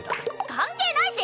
関係ないし！